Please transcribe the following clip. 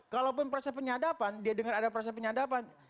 kalaupun proses penyadapan dia dengar ada proses penyadapan